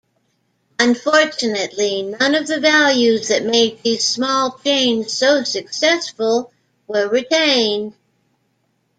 Unfortunately, none of the values that made these small chains so successful were retained.